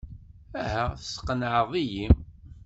Aha, tesqenɛeḍ-iyi.